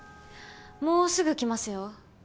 もうすぐ来ますよ。